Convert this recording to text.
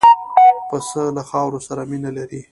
پسه له خاورو سره مینه لري.